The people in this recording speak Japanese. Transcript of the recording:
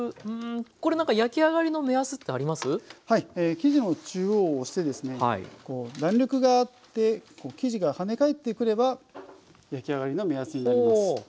生地の中央を押してですね弾力があって生地がはね返ってくれば焼き上がりの目安になります。